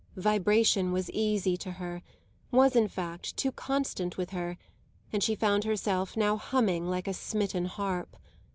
Vibration was easy to her, was in fact too constant with her, and she found herself now humming like a smitten harp.